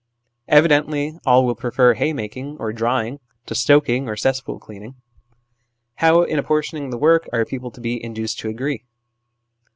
Evidently all will prefer hay making or drawing to stoking or cesspool cleaning. How, in apportioning the work, are people to be induced to agree